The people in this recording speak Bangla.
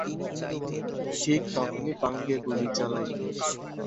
ঠিক তখনই পাণ্ডে গুলি চালায়।